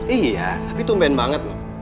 iya tapi tumben banget loh